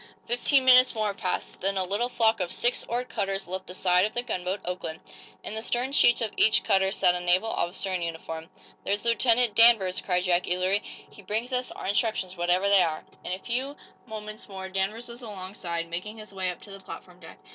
Fifteen minutes more passed. Then a little flock of six oared cutters left the side of the gunboat "Oakland." In the stern sheets of each cutter sat a naval officer in uniform. "There's Lieutenant Danvers," cried Jack, eagerly. "He brings us our instructions, whatever they are." In a few moments more Danvers was along side, making his way up to the platform deck.